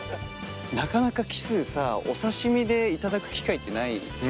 なかなかキスさお刺し身でいただく機会ってないじゃん。